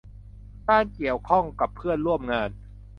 การเกี่ยวข้องกับเพื่อนร่วมงาน